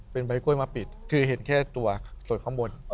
เป็นใบกล้วยมาปิดคือเห็นแค่ตัวส่วนข้างบน